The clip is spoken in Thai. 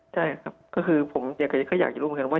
ใช่ครับคืออยากรู้เหมือนกันว่า